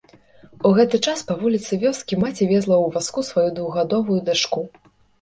У гэты час па вуліцы вёскі маці везла ў вазку сваю двухгадовую дачку.